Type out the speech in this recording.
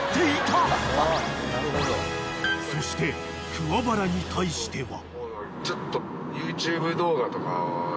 ［そして桑原に対しては］